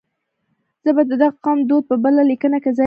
زه به د دغه قوم دود په بله لیکنه کې ځای کړم.